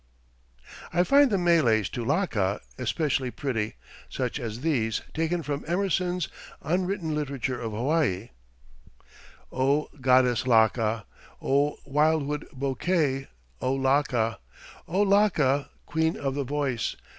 " I find the meles to Laka especially pretty, such as these, taken from Emerson's "Unwritten Literature of Hawaii": "O goddess Laka! O wildwood bouquet, O Laka! O Laka, queen of the voice!